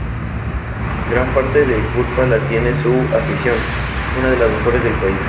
Gran parte de culpa la tiene su afición, una de las mejores del país.